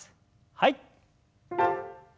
はい。